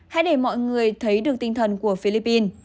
hãy để mọi người thấy được tinh thần của philippines